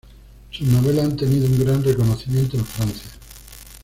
Sus novelas han tenido un gran reconocimiento en Francia.